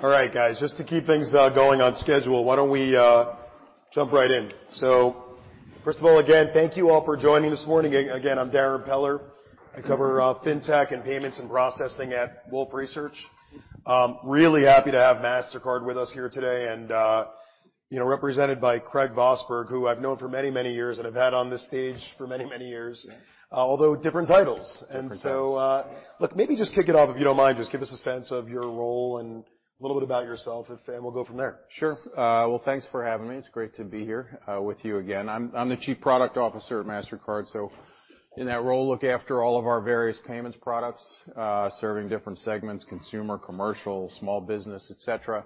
All right, guys. Just to keep things going on schedule, why don't we jump right in? First of all, again, thank you all for joining this morning. Again, I'm Daren Peller. I cover fintech and payments and processing at Wolfe Research. Really happy to have Mastercard with us here today, and, you know, represented by Craig Vosburg, who I've known for many, many years and have had on this stage for many, many years. Yeah. Although different titles. Different titles. Look, maybe just kick it off, if you don't mind, just give us a sense of your role and a little bit about yourself if, and we'll go from there. Sure. Well, thanks for having me. It's great to be here with you again. I'm the Chief Product Officer at Mastercard, so in that role, look after all of our various payments products, serving different segments, consumer, commercial, small business, et cetera,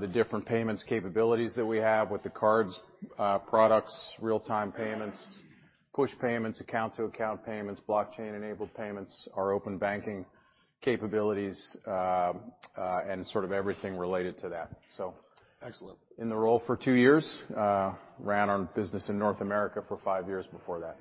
the different payments capabilities that we have with the cards products, Real-time payments, Push payments, Account-to-account payments, Blockchain-enabled payments, our Open banking capabilities, and sort of everything related to that. Excellent.... in the role for two years. ran our business in North America for five years before that.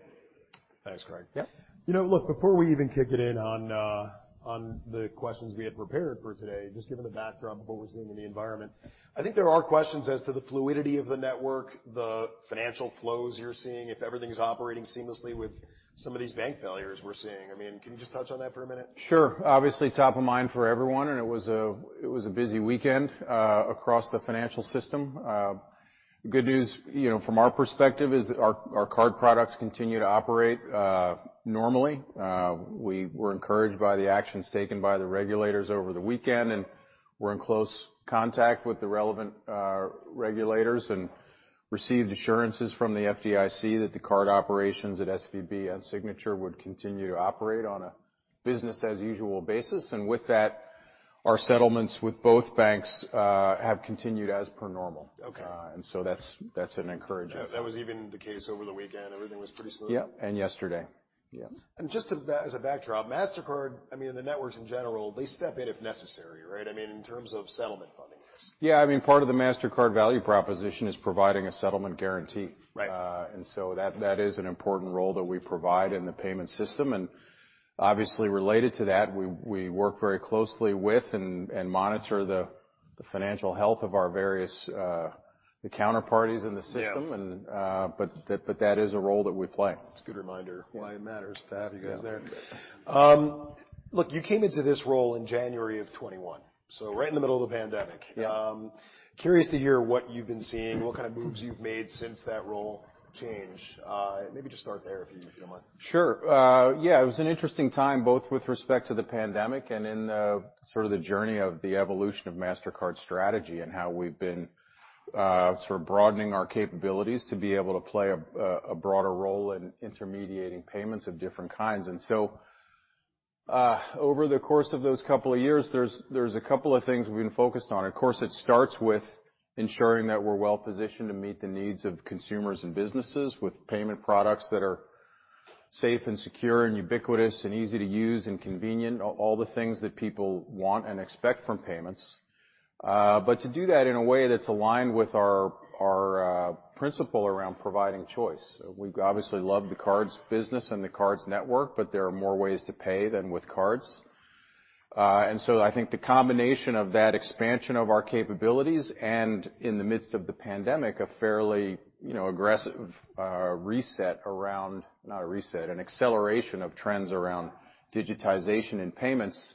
Thanks, Craig. Yeah. You know, look, before we even kick it in on the questions we had prepared for today, just given the backdrop of what we're seeing in the environment, I think there are questions as to the fluidity of the network, the financial flows you're seeing, if everything's operating seamlessly with some of these bank failures we're seeing. I mean, can you just touch on that for a minute? Sure. Obviously, top of mind for everyone, and it was a, it was a busy weekend across the financial system. The good news, you know, from our perspective is our card products continue to operate normally. We were encouraged by the actions taken by the regulators over the weekend, and we're in close contact with the relevant regulators and received assurances from the FDIC that the card operations at SVB and Signature would continue to operate on a business as usual basis. With that, our settlements with both banks have continued as per normal. Okay. That's an encouraging. That was even the case over the weekend, everything was pretty smooth? Yeah, yesterday. Yeah. Just as a backdrop, Mastercard, I mean, the networks in general, they step in if necessary, right? I mean, in terms of settlement funding. Yeah. I mean, part of the Mastercard value proposition is providing a settlement guarantee. Right. That is an important role that we provide in the payment system. Obviously related to that, we work very closely with and monitor the financial health of our various counterparties in the system. Yeah. But that is a role that we play. It's a good reminder why it matters to have you guys there. Yeah. look, you came into this role in January of 2021, so right in the middle of the pandemic. Yeah. Curious to hear what you've been seeing, what kind of moves you've made since that role change. Maybe just start there if you, if you don't mind. Sure. Yeah, it was an interesting time, both with respect to the pandemic and in the sort of the journey of the evolution of Mastercard's strategy and how we've been broadening our capabilities to be able to play a broader role in intermediating payments of different kinds. Over the course of those couple of years, there's a couple of things we've been focused on. Of course, it starts with ensuring that we're well-positioned to meet the needs of consumers and businesses with payment products that are safe and secure and ubiquitous and easy to use and convenient, all the things that people want and expect from payments. To do that in a way that's aligned with our principle around providing choice. We obviously love the cards business and the cards network, but there are more ways to pay than with cards. I think the combination of that expansion of our capabilities and in the midst of the pandemic, a fairly, you know, aggressive, reset around... not a reset, an acceleration of trends around digitization in payments,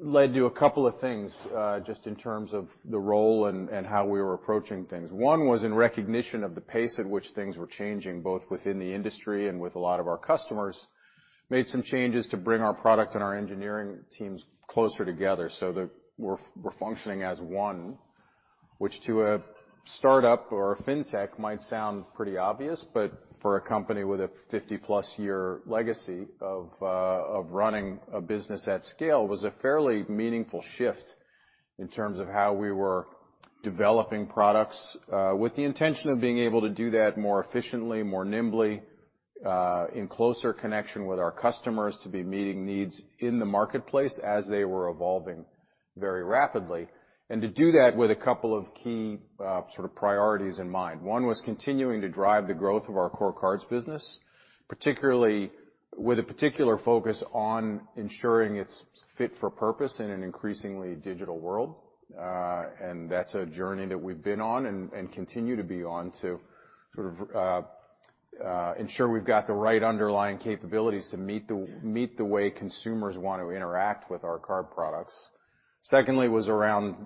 led to a couple of things, just in terms of the role and how we were approaching things. One was in recognition of the pace at which things were changing, both within the industry and with a lot of our customers, made some changes to bring our products and our engineering teams closer together so that we're functioning as one, which to a startup or a fintech might sound pretty obvious, but for a company with a 50-plus year legacy of running a business at scale, was a fairly meaningful shift in terms of how we were developing products with the intention of being able to do that more efficiently, more nimbly, in closer connection with our customers to be meeting needs in the marketplace as they were evolving very rapidly. To do that with a couple of key sort of priorities in mind. One was continuing to drive the growth of our core cards business, particularly with a particular focus on ensuring it's fit for purpose in an increasingly digital world. That's a journey that we've been on and continue to be on to sort of, ensure we've got the right underlying capabilities to meet the way consumers want to interact with our card products. Secondly was around,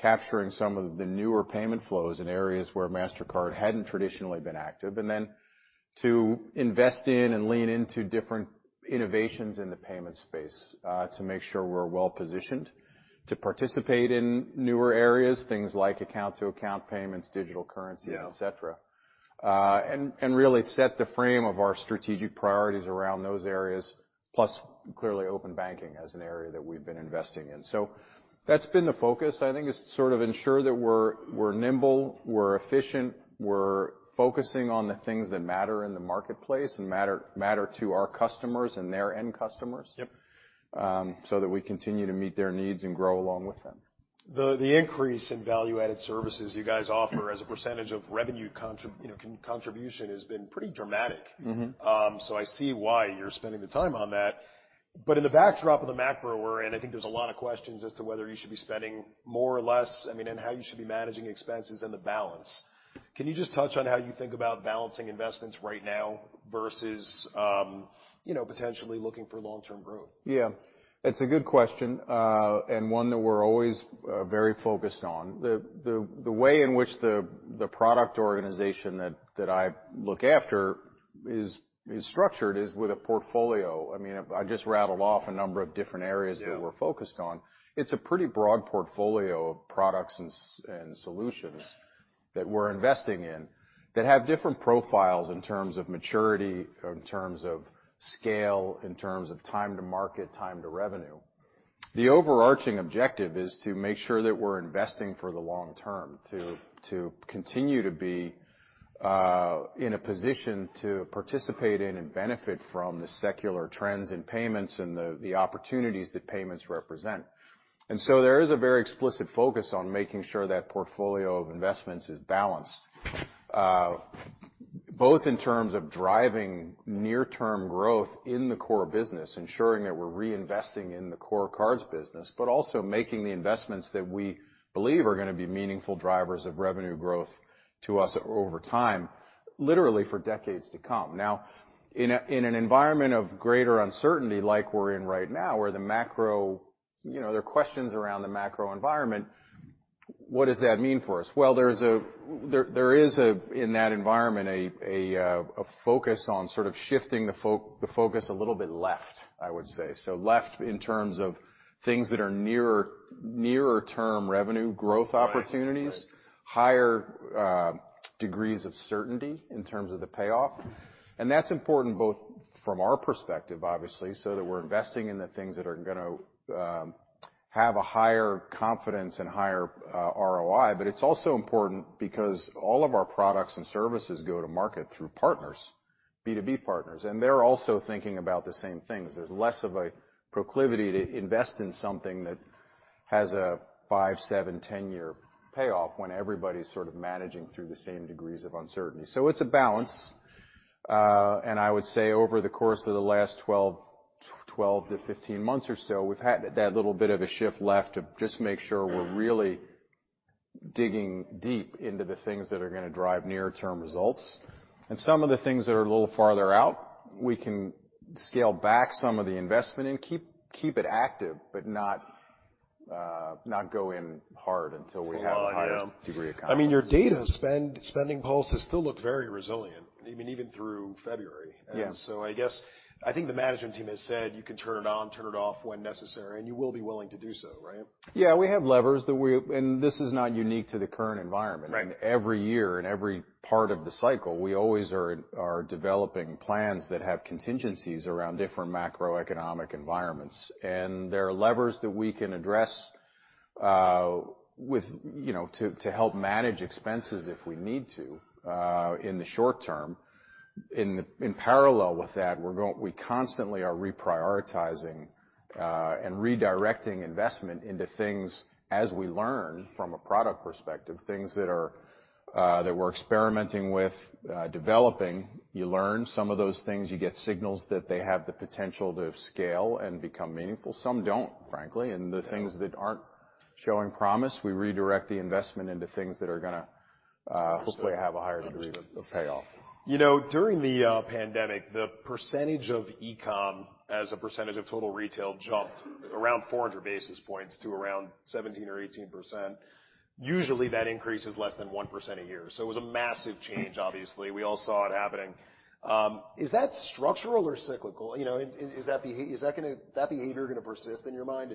capturing some of the newer payment flows in areas where Mastercard hadn't traditionally been active. Then to invest in and lean into different innovations in the payment space, to make sure we're well-positioned to participate in newer areas, things like Account-to-account payments, digital currencies- Yeah.... et cetera. Really set the frame of our strategic priorities around those areas, plus clearly open banking as an area that we've been investing in. That's been the focus. I think it's sort of ensure that we're nimble, we're efficient, we're focusing on the things that matter in the marketplace and matter to our customers and their end customers. Yep. so that we continue to meet their needs and grow along with them. The increase in value-added services you guys offer as a percentage of revenue, you know, contribution has been pretty dramatic. Mm-hmm. I see why you're spending the time on that. In the backdrop of the macro we're in, I think there's a lot of questions as to whether you should be spending more or less, I mean, and how you should be managing expenses and the balance. Can you just touch on how you think about balancing investments right now versus, you know, potentially looking for long-term growth? Yeah. It's a good question, and one that we're always very focused on. The way in which the product organization that I look after is structured is with a portfolio. I mean, I just rattled off a number of different areas. Yeah. that we're focused on. It's a pretty broad portfolio of products and solutions that we're investing in that have different profiles in terms of maturity, in terms of scale, in terms of time to market, time to revenue. The overarching objective is to make sure that we're investing for the long term to continue to be in a position to participate in and benefit from the secular trends in payments and the opportunities that payments represent. There is a very explicit focus on making sure that portfolio of investments is balanced both in terms of driving near-term growth in the core business, ensuring that we're reinvesting in the core cards business, but also making the investments that we believe are gonna be meaningful drivers of revenue growth to us over time, literally for decades to come. In an environment of greater uncertainty like we're in right now, where you know, there are questions around the macro environment, what does that mean for us? Well, there is a, in that environment, a focus on sort of shifting the focus a little bit left, I would say. Left in terms of things that are nearer term revenue growth opportunities. Right. Right. Higher degrees of certainty in terms of the payoff. That's important both from our perspective, obviously, so that we're investing in the things that are gonna have a higher confidence and higher ROI, but it's also important because all of our products and services go to market through partners, B2B partners, and they're also thinking about the same things. There's less of a proclivity to invest in something that has a 5, 7, 10-year payoff when everybody's sort of managing through the same degrees of uncertainty. It's a balance, I would say over the course of the last 12-15 months or so, we've had that little bit of a shift left to just make sure we're really digging deep into the things that are gonna drive near-term results. Some of the things that are a little farther out, we can scale back some of the investment and keep it active, but not go in hard. Well, I know.... a higher degree of confidence. I mean, your data SpendingPulse has still looked very resilient, I mean, even through February. Yeah. I guess, I think the management team has said you can turn it on, turn it off when necessary, and you will be willing to do so, right? Yeah, we have levers. This is not unique to the current environment. Right. I mean, every year, in every part of the cycle, we always are developing plans that have contingencies around different macroeconomic environments. There are levers that we can address, with, you know, to help manage expenses if we need to, in the short term. In parallel with that, we constantly are reprioritizing and redirecting investment into things as we learn from a product perspective, things that are that we're experimenting with, developing. You learn some of those things. You get signals that they have the potential to scale and become meaningful. Some don't, frankly. Yeah. The things that aren't showing promise, we redirect the investment into things that are gonna hopefully have a higher degree of payoff. You know, during the pandemic, the percentage of e-com as a percentage of total retail jumped around 400 basis points to around 17 or 18%. Usually, that increase is less than 1% a year. It was a massive change, obviously. We all saw it happening. Is that structural or cyclical? You know, is that behavior gonna persist in your mind?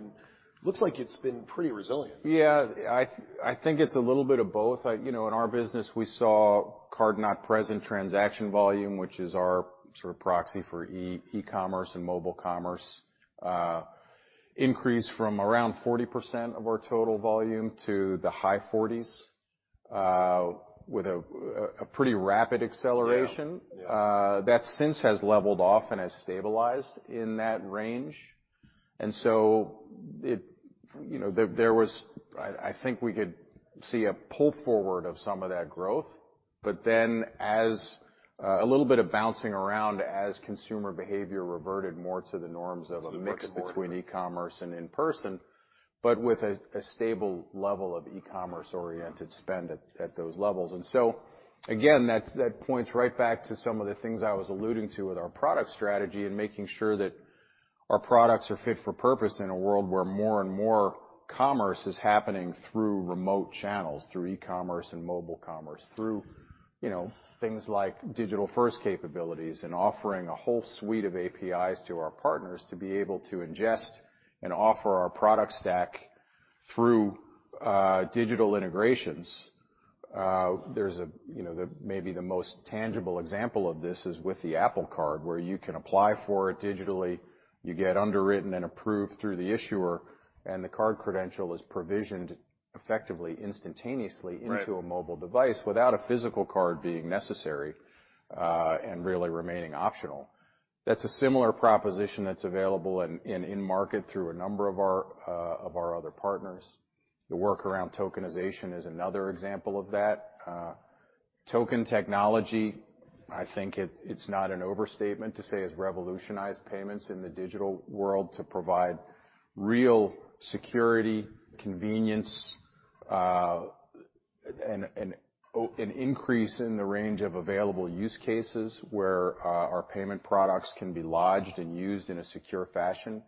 Looks like it's been pretty resilient. Yeah. I think it's a little bit of both. You know, in our business, we saw card-not-present transaction volume, which is our sort of proxy for e-commerce and mobile commerce, increase from around 40% of our total volume to the high 40s, with a pretty rapid acceleration. Yeah. Yeah. That since has leveled off and has stabilized in that range. It, you know, there was. I think we could see a pull forward of some of that growth, as, a little bit of bouncing around as consumer behavior reverted more to the norms of a mix-. The brick-and-mortar.... between e-commerce and in-person, but with a stable level of e-commerce-oriented spend at those levels. Again, that points right back to some of the things I was alluding to with our product strategy and making sure that our products are fit for purpose in a world where more and more commerce is happening through remote channels, through e-commerce and mobile commerce, through, you know, things like digital-first capabilities and offering a whole suite of APIs to our partners to be able to ingest and offer our product stack through digital integrations. There's a, you know, the maybe the most tangible example of this is with the Apple Card, where you can apply for it digitally. You get underwritten and approved through the issuer, and the card credential is provisioned effectively, instantaneously- Right... into a mobile device without a physical card being necessary, and really remaining optional. That's a similar proposition that's available in in-market through a number of our, of our other partners. The work around tokenization is another example of that. Token technology, I think it's not an overstatement to say it's revolutionized payments in the digital world to provide real security, convenience, an increase in the range of available use cases where our payment products can be lodged and used in a secure fashion.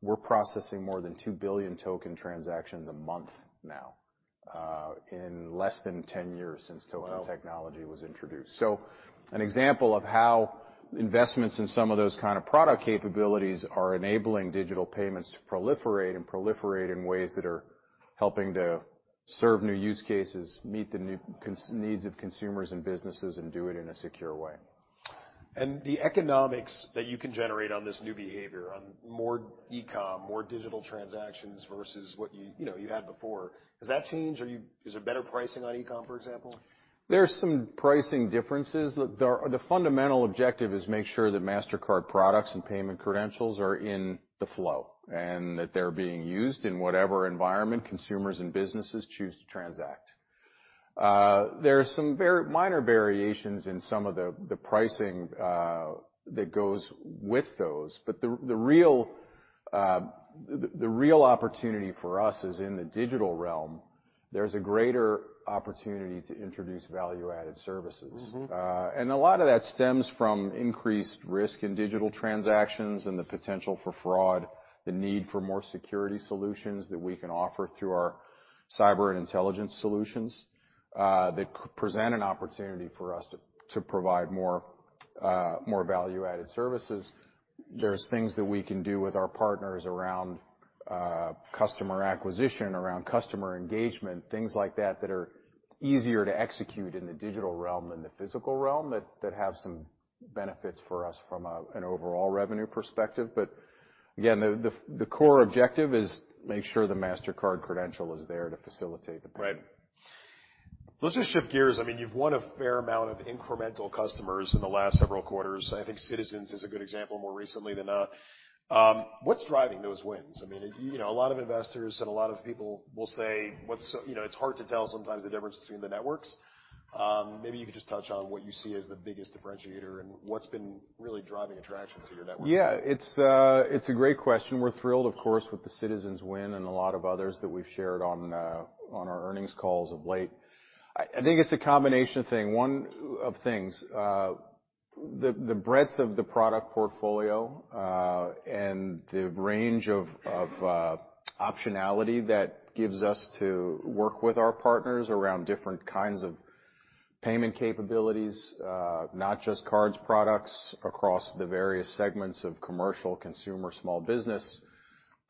We're processing more than 2 billion token transactions a month now, in less than 10 years since token- Wow An example of how investments in some of those kind of product capabilities are enabling digital payments to proliferate in ways that are helping to serve new use cases, meet the new needs of consumers and businesses, and do it in a secure way. The economics that you can generate on this new behavior, on more e-com, more digital transactions versus what you know, you had before, has that changed? Is there better pricing on e-com, for example? There's some pricing differences. The fundamental objective is make sure that Mastercard products and payment credentials are in the flow and that they're being used in whatever environment consumers and businesses choose to transact. There are some minor variations in some of the pricing that goes with those, but the real opportunity for us is in the digital realm. There's a greater opportunity to introduce value-added services. Mm-hmm. A lot of that stems from increased risk in digital transactions and the potential for fraud, the need for more security solutions that we can offer through our Cyber and Intelligence solutions that present an opportunity for us to provide more value-added services. There's things that we can do with our partners around customer acquisition, around customer engagement, things like that that are easier to execute in the digital realm than the physical realm that have some benefits for us from an overall revenue perspective. Again, the core objective is make sure the Mastercard credential is there to facilitate the payment. Right. Let's just shift gears. I mean, you've won a fair amount of incremental customers in the last several quarters. I think Citizens is a good example more recently than not. What's driving those wins? I mean, you know, a lot of investors and a lot of people will say what's, you know, it's hard to tell sometimes the difference between the networks. Maybe you could just touch on what you see as the biggest differentiator and what's been really driving attraction to your network? It's a great question. We're thrilled, of course, with the Citizens win and a lot of others that we've shared on our earnings calls of late. I think it's a combination thing, one of things. The breadth of the product portfolio and the range of optionality that gives us to work with our partners around different kinds of payment capabilities, not just cards products across the various segments of commercial, consumer, small business.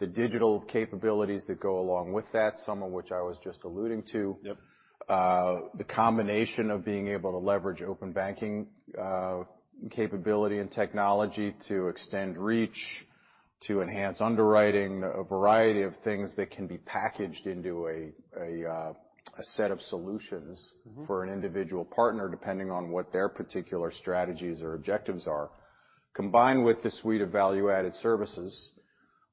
The digital capabilities that go along with that, some of which I was just alluding to. Yep. The combination of being able to leverage open banking, capability and technology to extend reach, to enhance underwriting, a variety of things that can be packaged into a set of solutions. Mm-hmm... for an individual partner, depending on what their particular strategies or objectives are, combined with the suite of value-added services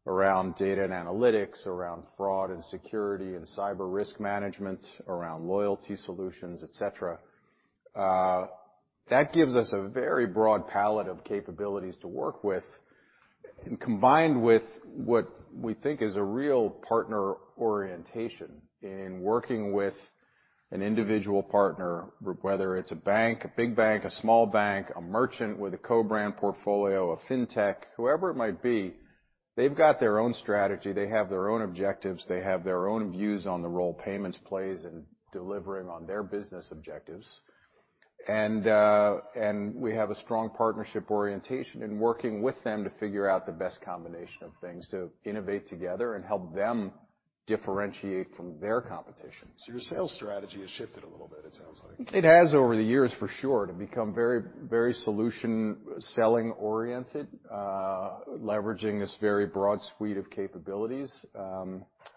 around data and analytics, around fraud and security and cyber risk management, around loyalty solutions, et cetera. That gives us a very broad palette of capabilities to work with. Combined with what we think is a real partner orientation in working with an individual partner, whether it's a bank, a big bank, a small bank, a merchant with a co-brand portfolio, a fintech, whoever it might be, they've got their own strategy. They have their own objectives. They have their own views on the role payments plays in delivering on their business objectives. We have a strong partnership orientation in working with them to figure out the best combination of things to innovate together and help them differentiate from their competition. Your sales strategy has shifted a little bit, it sounds like. It has over the years, for sure, to become very, very solution selling oriented, leveraging this very broad suite of capabilities,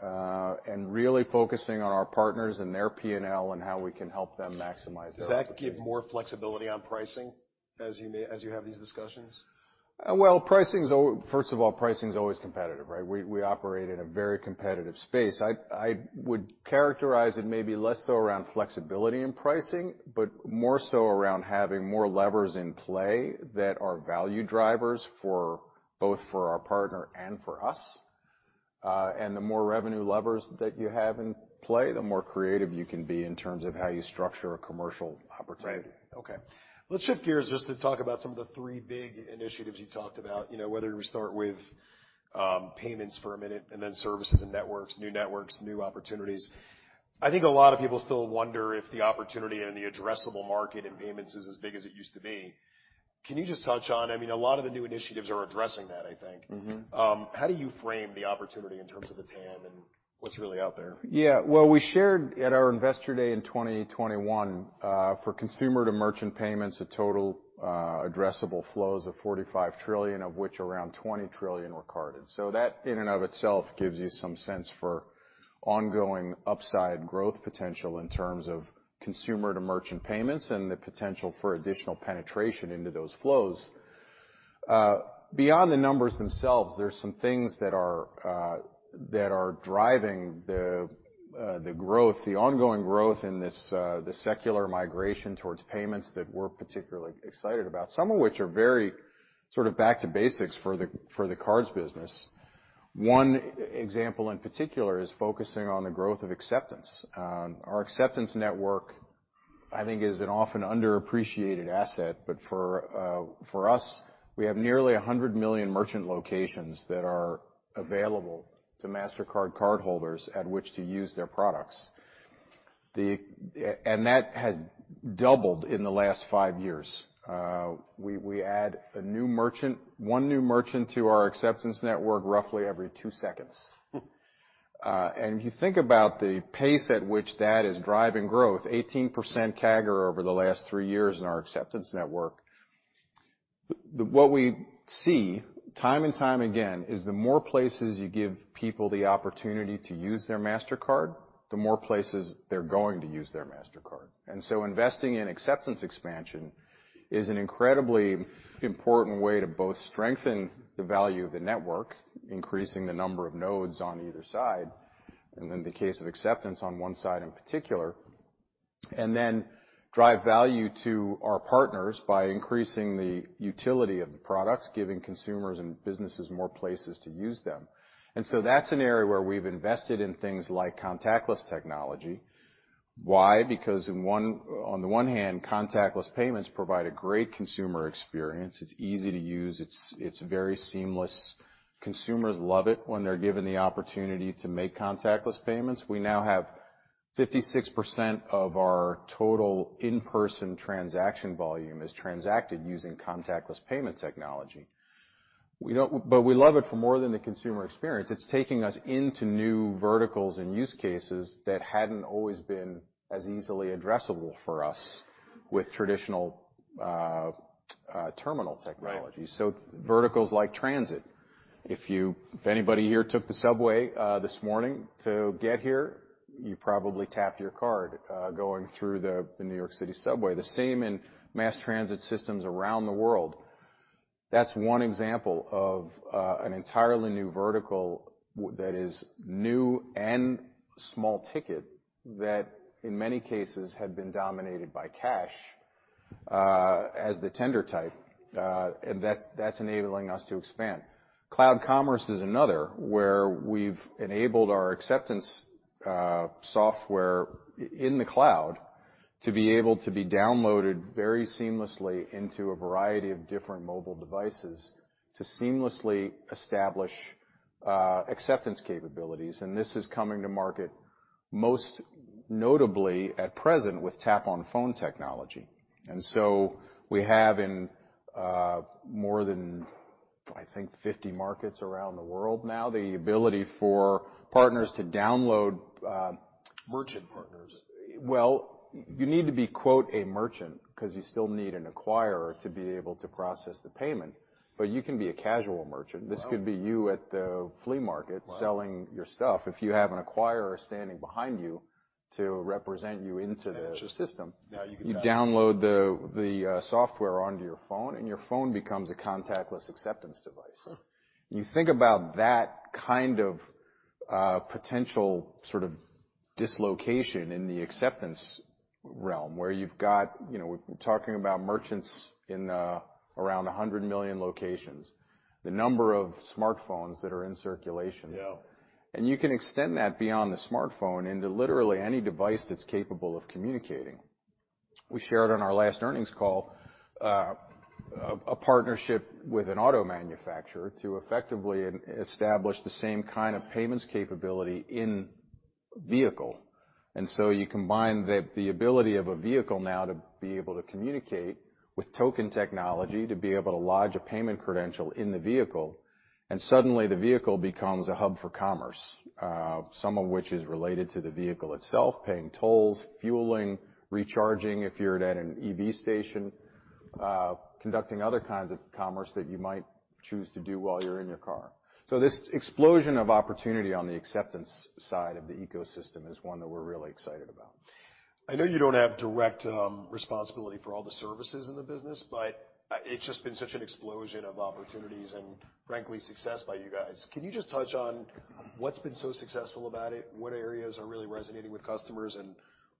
and really focusing on our partners and their P&L and how we can help them maximize their- Does that give you more flexibility on pricing as you have these discussions? Well, first of all, pricing's always competitive, right? We operate in a very competitive space. I would characterize it maybe less so around flexibility in pricing, but more so around having more levers in play that are value drivers both for our partner and for us. The more revenue levers that you have in play, the more creative you can be in terms of how you structure a commercial opportunity. Right. Okay. Let's shift gears just to talk about some of the three big initiatives you talked about, you know, whether we start with, payments for a minute and then services and networks, new networks, new opportunities. I think a lot of people still wonder if the opportunity and the addressable market in payments is as big as it used to be? Can you just touch on, I mean, a lot of the new initiatives are addressing that, I think. Mm-hmm. How do you frame the opportunity in terms of the TAM and what's really out there? Yeah. Well, we shared at our Investor Day in 2021 for consumer-to-merchant payments, a total addressable flows of $45 trillion, of which around $20 trillion were carded. That in and of itself gives you some sense for ongoing upside growth potential in terms of consumer-to-merchant payments and the potential for additional penetration into those flows. Beyond the numbers themselves, there are some things that are that are driving the the growth, the ongoing growth in this the secular migration towards payments that we're particularly excited about, some of which are very sort of back to basics for the for the cards business. One example in particular is focusing on the growth of acceptance. Our acceptance network, I think, is an often underappreciated asset. For us, we have nearly 100 million merchant locations that are available to Mastercard cardholders at which to use their products. That has doubled in the last 5 years. We add a new merchant, one new merchant to our acceptance network roughly every 2 seconds. If you think about the pace at which that is driving growth, 18% CAGR over the last 3 years in our acceptance network. What we see time and time again is the more places you give people the opportunity to use their Mastercard, the more places they're going to use their Mastercard. Investing in acceptance expansion is an incredibly important way to both strengthen the value of the network, increasing the number of nodes on either side, and in the case of acceptance on one side in particular, and then drive value to our partners by increasing the utility of the products, giving consumers and businesses more places to use them. That's an area where we've invested in things like contactless technology. Why? Because in one, on the one hand, contactless payments provide a great consumer experience. It's easy to use. It's very seamless. Consumers love it when they're given the opportunity to make contactless payments. We now have 56% of our total in-person transaction volume is transacted using contactless payment technology. We love it for more than the consumer experience. It's taking us into new verticals and use cases that hadn't always been as easily addressable for us with traditional, terminal technologies. Right. Verticals like transit. If anybody here took the subway this morning to get here, you probably tapped your card going through the New York City subway. The same in mass transit systems around the world. That's one example of an entirely new vertical that is new and small ticket that in many cases had been dominated by cash as the tender type. That's enabling us to expand. Cloud Commerce is another, where we've enabled our acceptance software in the cloud to be able to be downloaded very seamlessly into a variety of different mobile devices to seamlessly establish acceptance capabilities. This is coming to market most notably at present with Tap on Phone technology. We have in, more than, I think, 50 markets around the world now, the ability for partners to download. Merchant partners. Well, you need to be, quote, a merchant, 'cause you still need an acquirer to be able to process the payment. You can be a casual merchant. Wow. This could be you at the flea market. Wow... selling your stuff. If you have an acquirer standing behind you to represent you into the system- Interesting. Now you can tap. You download the software onto your phone, and your phone becomes a contactless acceptance device. Huh. You think about that kind of potential sort of dislocation in the acceptance realm, where you've got, you know, we're talking about merchants in around 100 million locations, the number of smartphones that are in circulation. Yeah. You can extend that beyond the smartphone into literally any device that's capable of communicating. We shared on our last earnings call, a partnership with an auto manufacturer to effectively establish the same kind of payments capability in a vehicle. You combine the ability of a vehicle now to be able to communicate with token technology, to be able to lodge a payment credential in the vehicle, and suddenly the vehicle becomes a hub for commerce, some of which is related to the vehicle itself, paying tolls, fueling, recharging, if you're at an EV station, conducting other kinds of commerce that you might choose to do while you're in your car. So this explosion of opportunity on the acceptance side of the ecosystem is one that we're really excited about. I know you don't have direct responsibility for all the services in the business, but it's just been such an explosion of opportunities and frankly, success by you guys. Can you just touch on what's been so successful about it, what areas are really resonating with customers, and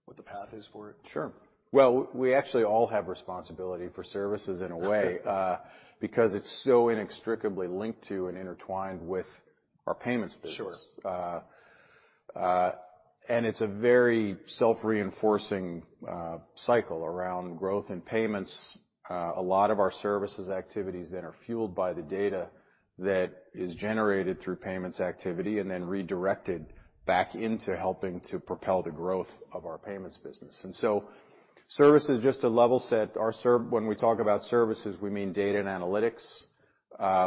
what the path is for it? Sure. Well, we actually all have responsibility for services in a way, because it's so inextricably linked to and intertwined with our payments business. Sure. It's a very self-reinforcing cycle around growth and payments. A lot of our services activities, then, are fueled by the data that is generated through payments activity and then redirected back into helping to propel the growth of our payments business. Services, just to level set. When we talk about services, we mean data and analytics.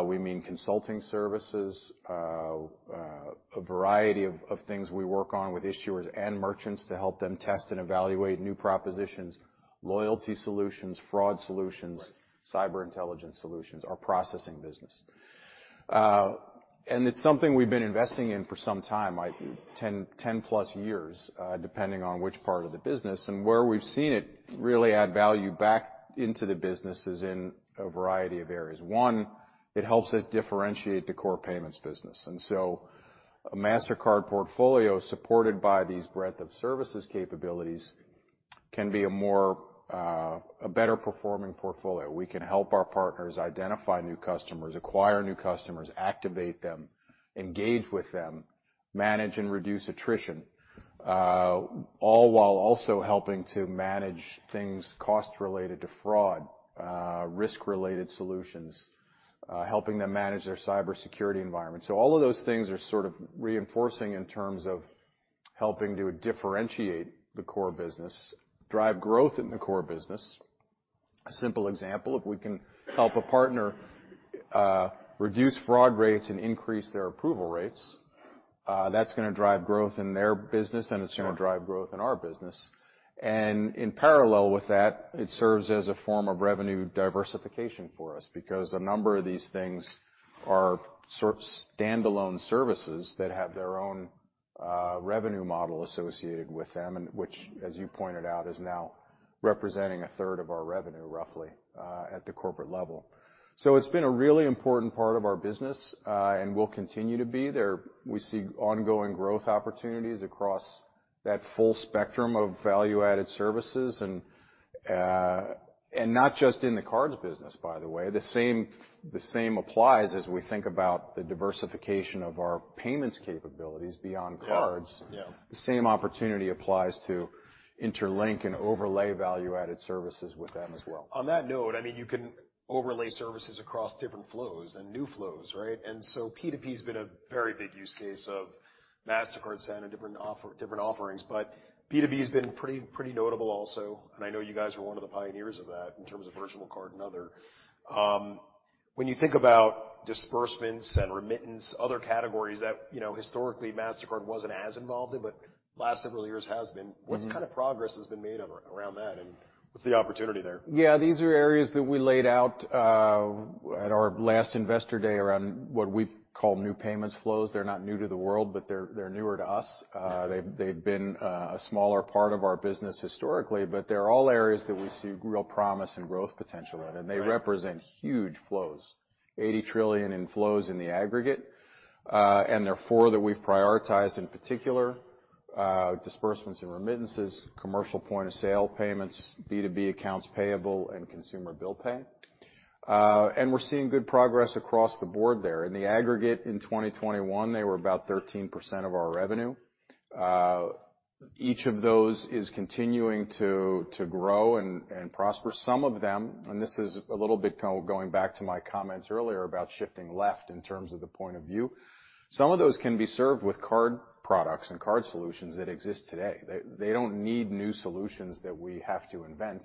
We mean consulting services, a variety of things we work on with issuers and merchants to help them test and evaluate new propositions, loyalty solutions, fraud solutions... Right. Cyber and Intelligence solutions, our processing business. It's something we've been investing in for some time, I think 10+ years, depending on which part of the business. Where we've seen it really add value back into the business is in a variety of areas. One, it helps us differentiate the core payments business. A Mastercard portfolio supported by these breadth of services capabilities can be a more, a better performing portfolio. We can help our partners identify new customers, acquire new customers, activate them, engage with them, manage and reduce attrition, all while also helping to manage things cost related to fraud, risk-related solutions, helping them manage their cybersecurity environment. All of those things are sort of reinforcing in terms of helping to differentiate the core business, drive growth in the core business. A simple example, if we can help a partner reduce fraud rates and increase their approval rates, that's gonna drive growth in their business, and it's gonna drive growth in our business. In parallel with that, it serves as a form of revenue diversification for us, because a number of these things are sort of stand-alone services that have their own revenue model associated with them, and which, as you pointed out, is now representing a third of our revenue, roughly, at the corporate level. It's been a really important part of our business and will continue to be. There, we see ongoing growth opportunities across that full spectrum of value-added services and not just in the cards business, by the way. The same applies as we think about the diversification of our payments capabilities beyond cards. Yeah. Yeah. The same opportunity applies to interlink and overlay value-added services with them as well. On that note, I mean, you can overlay services across different flows and new flows, right? P2P has been a very big use case of Mastercard sending different offerings. B2B has been pretty notable also. I know you guys were one of the pioneers of that in terms of Virtual Card and other. When you think about disbursements and remittance, other categories that, you know, historically Mastercard wasn't as involved in, last several years has been- Mm-hmm. What kind of progress has been made around that, and what's the opportunity there? Yeah, these are areas that we laid out at our last Investor Day around what we call new payments flows. They're not new to the world, but they're newer to us. They've been a smaller part of our business historically, but they're all areas that we see real promise and growth potential in. Right. They represent huge flows, $80 trillion in flows in the aggregate. There are four that we've prioritized in particular, disbursements and remittances, commercial point-of-sale payments, B2B accounts payable, and consumer bill pay. We're seeing good progress across the board there. In the aggregate in 2021, they were about 13% of our revenue. Each of those is continuing to grow and prosper. Some of them, and this is a little bit going back to my comments earlier about shifting left in terms of the point of view, some of those can be served with card products and card solutions that exist today. They don't need new solutions that we have to invent.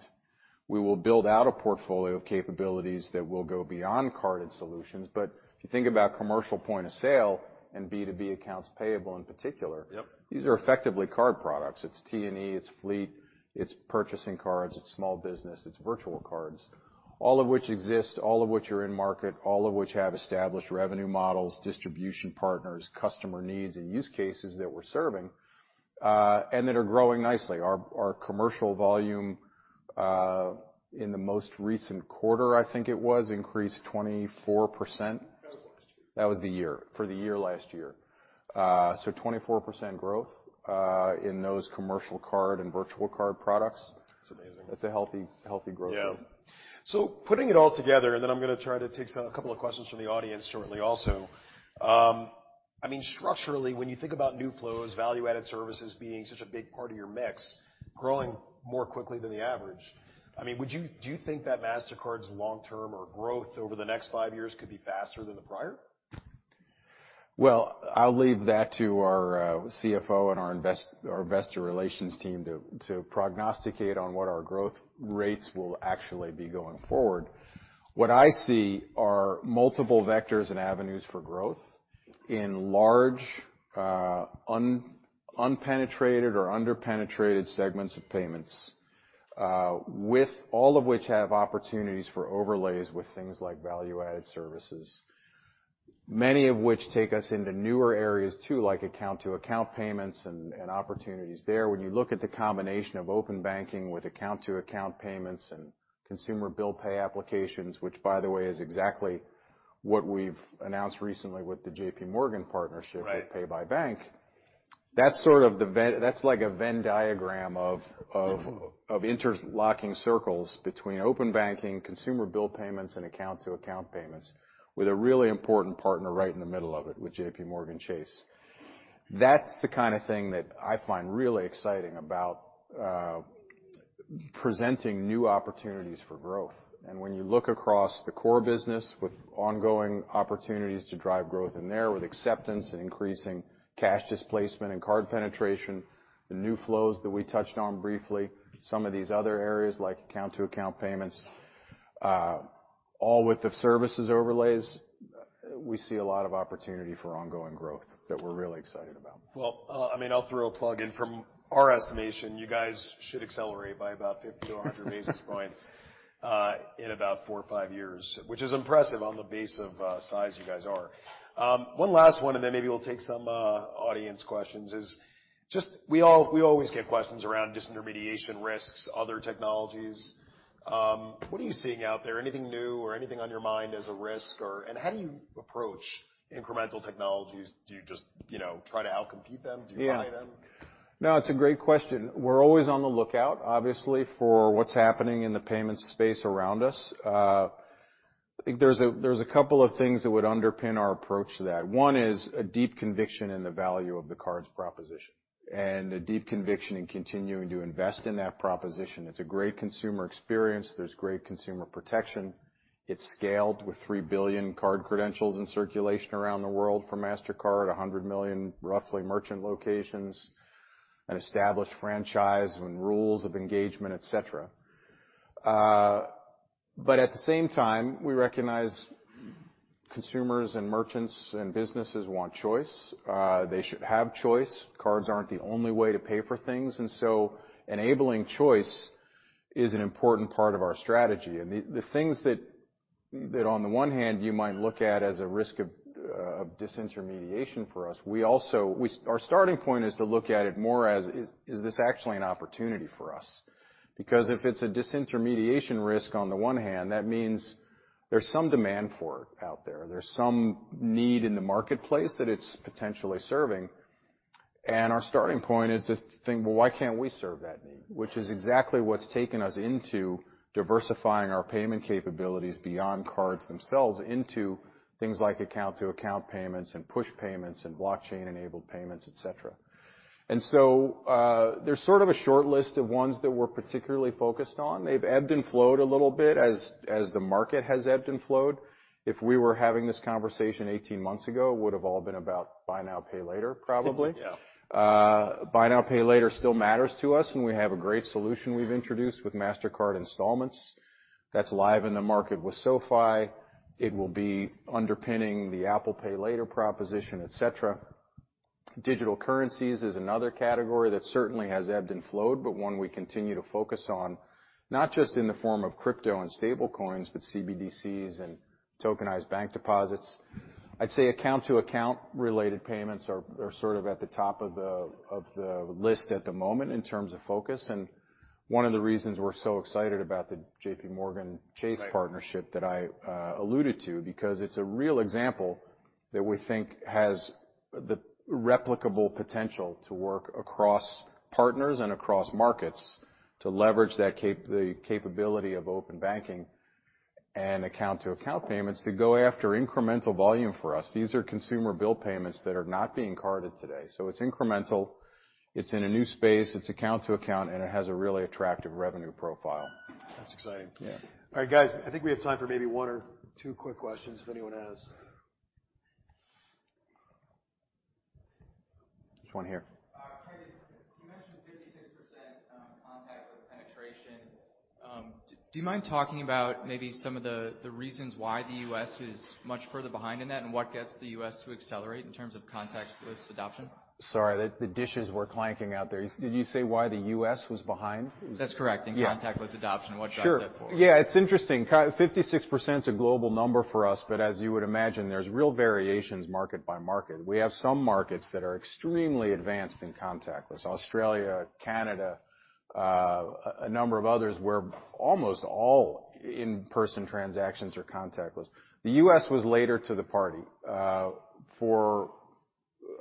We will build out a portfolio of capabilities that will go beyond carded solutions. If you think about commercial point-of-sale and B2B accounts payable in particular. Yep. these are effectively card products. It's T&E, it's fleet, it's purchasing cards, it's small business, it's virtual cards, all of which exist, all of which are in market, all of which have established revenue models, distribution partners, customer needs, and use cases that we're serving, and that are growing nicely. Our commercial volume in the most recent quarter, I think it was, increased 24%. That was last year. That was the year, for the year last year. 24% growth, in those commercial card and virtual card products. That's amazing. That's a healthy growth rate. Yeah. Putting it all together, and then I'm gonna try to take a couple of questions from the audience shortly also. I mean, structurally, when you think about new flows, value-added services being such a big part of your mix, growing more quickly than the average, I mean, do you think that Mastercard's long-term or growth over the next five years could be faster than the prior? Well, I'll leave that to our CFO and our investor relations team to prognosticate on what our growth rates will actually be going forward. What I see are multiple vectors and avenues for growth in large, unpenetrated or under-penetrated segments of payments, with all of which have opportunities for overlays with things like value-added services, many of which take us into newer areas too, like account-to-account payments and opportunities there. When you look at the combination of open banking with account-to-account payments and consumer bill pay applications, which by the way, is exactly what we've announced recently with the JPMorgan partnership. Right. with Pay by Bank, that's sort of the that's like a Venn diagram of interlocking circles between open banking, consumer bill payments, and account-to-account payments with a really important partner right in the middle of it with JPMorgan Chase. That's the kinda thing that I find really exciting about presenting new opportunities for growth. When you look across the core business with ongoing opportunities to drive growth in there with acceptance and increasing cash displacement and card penetration, the new flows that we touched on briefly, some of these other areas like account-to-account payments, all with the services overlays. We see a lot of opportunity for ongoing growth that we're really excited about. Well, I mean, I'll throw a plug in. From our estimation, you guys should accelerate by about 50-100 basis points in about four or five years, which is impressive on the base of size you guys are. One last one, and then maybe we'll take some audience questions, is just we always get questions around disintermediation risks, other technologies. What are you seeing out there? Anything new or anything on your mind as a risk or? How do you approach incremental technologies? Do you just, you know, try to out-compete them? Yeah. Do you buy them? It's a great question. We're always on the lookout, obviously, for what's happening in the payments space around us. I think there's a couple of things that would underpin our approach to that. One is a deep conviction in the value of the cards proposition and a deep conviction in continuing to invest in that proposition. It's a great consumer experience. There's great consumer protection. It's scaled with 3 billion card credentials in circulation around the world for Mastercard, 100 million, roughly, merchant locations, an established franchise and rules of engagement, et cetera. At the same time, we recognize consumers and merchants and businesses want choice. They should have choice. Cards aren't the only way to pay for things. Enabling choice is an important part of our strategy. The, the things that on the one hand you might look at as a risk of disintermediation for us, our starting point is to look at it more as is this actually an opportunity for us? If it's a disintermediation risk on the one hand, that means there's some demand for it out there. There's some need in the marketplace that it's potentially serving. Our starting point is to think, "Well, why can't we serve that need?" Which is exactly what's taken us into diversifying our payment capabilities beyond cards themselves into things like account-to-account payments and push payments and blockchain-enabled payments, et cetera. There's sort of a shortlist of ones that we're particularly focused on. They've ebbed and flowed a little bit as the market has ebbed and flowed. If we were having this conversation 18 months ago, it would've all been about buy now, pay later, probably. Yeah. buy now, pay later still matters to us. We have a great solution we've introduced with Mastercard Installments. That's live in the market with SoFi. It will be underpinning the Apple Pay Later proposition, et cetera. Digital currencies is another category that certainly has ebbed and flowed. We continue to focus on, not just in the form of crypto and stablecoins, but CBDCs and tokenized bank deposits. I'd say Account-to-account related payments are sort of at the top of the list at the moment in terms of focus. One of the reasons we're so excited about the JPMorgan Chase- Right -partnership that I alluded to, because it's a real example that we think has the replicable potential to work across partners and across markets to leverage the capability of open banking and account-to-account payments to go after incremental volume for us. These are consumer bill payments that are not being carded today. It's incremental, it's in a new space, it's account-to-account, and it has a really attractive revenue profile. That's exciting. Yeah. All right, guys, I think we have time for maybe one or two quick questions if anyone has. There's one here. Craig Vosburg, you mentioned 56% contactless penetration. Do you mind talking about maybe some of the reasons why the U.S. is much further behind in that and what gets the U.S. to accelerate in terms of contactless adoption? Sorry. The dishes were clanking out there. Did you say why the U.S. was behind? That's correct. Yeah. In contactless adoption. What drives that forward? Sure. Yeah, it's interesting. 56% a global number for us, but as you would imagine, there's real variations market by market. We have some markets that are extremely advanced in contactless. Australia, Canada, a number of others where almost all in-person transactions are contactless. The U.S. was later to the party for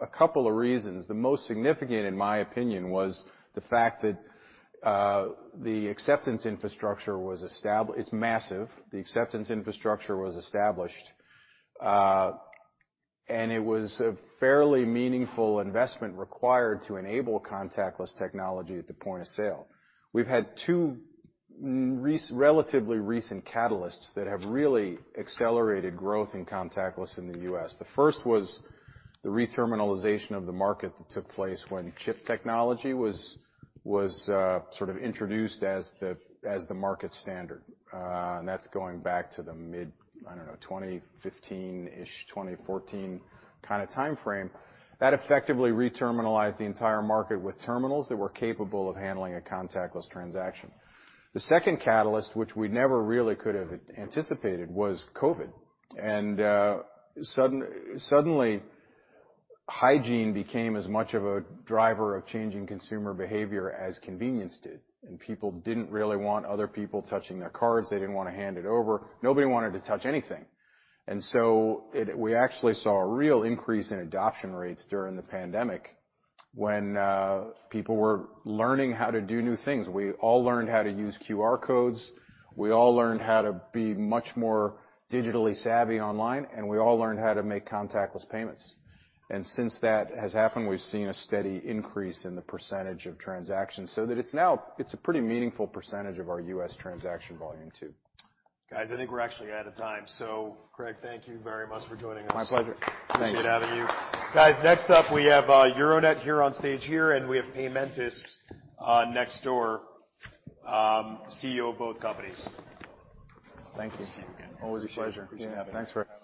a couple of reasons. The most significant, in my opinion, was the fact that It's massive. The acceptance infrastructure was established, and it was a fairly meaningful investment required to enable contactless technology at the point of sale. We've had two relatively recent catalysts that have really accelerated growth in contactless in the U.S. The first was the re-terminalization of the market that took place when chip technology was sort of introduced as the, as the market standard. That's going back to the mid, I don't know, 2015-ish, 2014 kinda timeframe. That effectively re-terminalized the entire market with terminals that were capable of handling a contactless transaction. The second catalyst, which we never really could have anticipated, was COVID. Suddenly, hygiene became as much of a driver of changing consumer behavior as convenience did, and people didn't really want other people touching their cards. They didn't wanna hand it over. Nobody wanted to touch anything. We actually saw a real increase in adoption rates during the pandemic when people were learning how to do new things. We all learned how to use QR codes. We all learned how to be much more digitally savvy online, and we all learned how to make contactless payments. Since that has happened, we've seen a steady increase in the percentage of transactions, so that it's now, it's a pretty meaningful percentage of our U.S. transaction volume, too. Guys, I think we're actually out of time. Craig, thank you very much for joining us. My pleasure. Thanks. Appreciate having you. Guys, next up, we have Euronet here on stage here. We have Paymentus, next door, ceo of both companies. Thank you. Always a pleasure. Appreciate it. Yeah. Thanks.